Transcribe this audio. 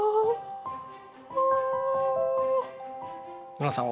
ノラさん